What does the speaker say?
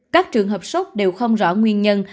các trường hợp sốt đều không rõ nguyên nhân